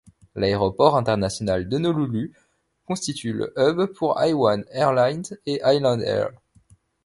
L'aéroport international d'Honolulu constitue le hub pour Hawaiian Airlines et Island Air.